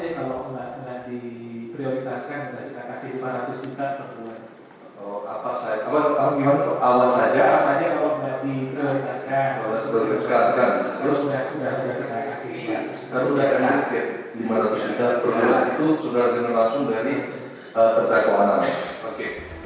lima ratus juta per bulan itu sudah dendam langsung dari terdakwa anang